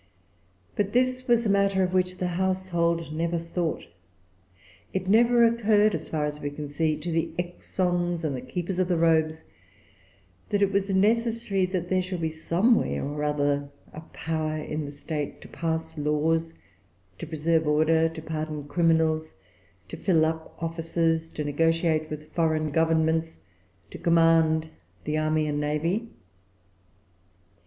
But this was a matter of which the household never thought. It never occurred, as far as we can see, to the Exons and Keepers of the Robes, that it was necessary that there should be somewhere or other a power in the state to pass laws, to preserve order, to pardon criminals, to fill up offices, to negotiate with foreign governments, to command the army and navy.